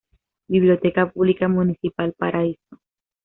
Biblioteca Pública Municipal Paraíso.